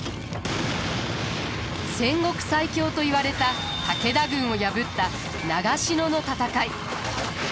戦国最強といわれた武田軍を破った長篠の戦い。